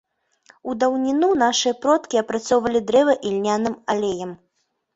У даўніну нашыя продкі апрацоўвалі дрэва ільняным алеем.